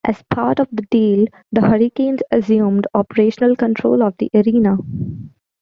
As part of the deal, the Hurricanes assumed operational control of the arena.